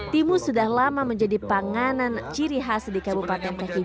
timus sudah lama menjadi panganan ciri khas di kabupaten kaki bundung lawu ini